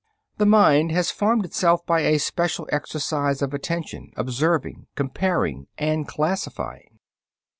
The mind has formed itself by a special exercise of attention, observing, comparing, and classifying.